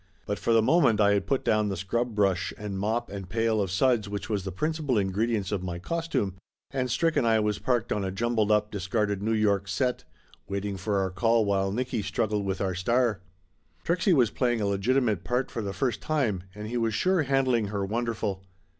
But for the moment I had put down the scrub brush and mop and pail of suds which was the principal ingredients of my costume, and Strick and I was parked on a jumbled up discarded New York set, waiting for our call while Nicky struggled with our star. Trixie was playing a legitimate part for the first time, and he was sure handling her wonderful.